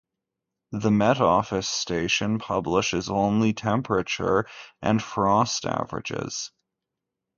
The Met Office station publishes only temperature and frost averages.